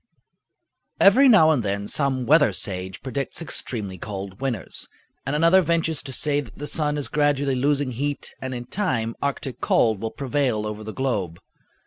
Every now and then some weather sage predicts extremely cold winters, and another ventures to say that the sun is gradually losing heat and in time Arctic cold will prevail over the globe.